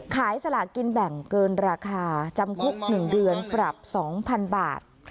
สลากินแบ่งเกินราคาจำคุก๑เดือนปรับ๒๐๐๐บาท